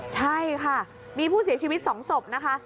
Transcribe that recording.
ใช่ค่ะมีผู้เสียชีวิต๒ศพนะคะ